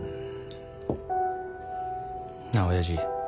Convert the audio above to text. なあおやじ。